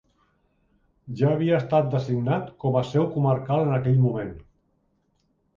Ja havia estat designat com a seu comarcal en aquell moment.